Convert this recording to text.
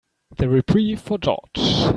The reprieve for George.